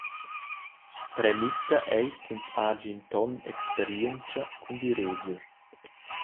Premissa ei ch’ins hagi in ton experientscha cun direger.